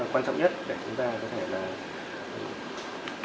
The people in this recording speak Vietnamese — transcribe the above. quan trọng nhất để chúng ta có thể là